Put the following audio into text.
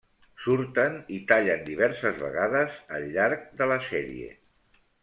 Surten i tallen diverses vegades el llarg de la sèrie.